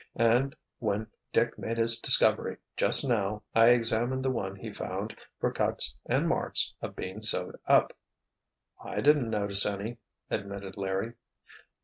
And, when Dick made his discovery, just now, I examined the one he found for cuts and marks of being sewed up." "I didn't notice any," admitted Larry.